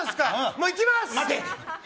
もう行きます！